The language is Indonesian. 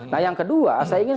nah yang kedua saya ingin